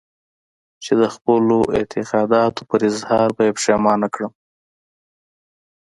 چې د خپلو اعتقاداتو پر اظهار به يې پښېمانه کړم.